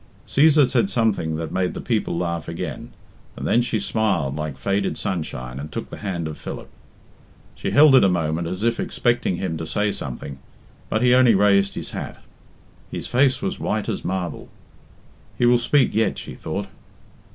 Cæsar said something that made the people laugh again, and then she smiled like faded sunshine and took the hand of Philip. She held it a moment as if expecting him to say something, but he only raised his hat. His face was white as marble. He will speak yet, she thought.